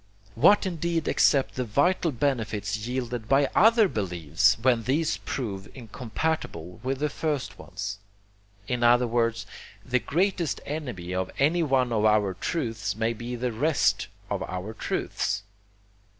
What indeed except the vital benefits yielded by OTHER BELIEFS when these prove incompatible with the first ones? In other words, the greatest enemy of any one of our truths may be the rest of our truths.